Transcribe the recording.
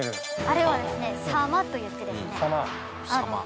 あれはですね狭間といってですね。